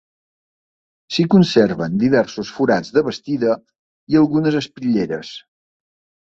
S'hi conserven diversos forats de bastida i algunes espitlleres.